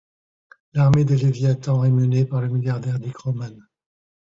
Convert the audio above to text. L'armée des Leviathans est menée par le milliardaire Dick Roman.